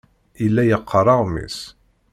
Yella yeqqar aɣmis.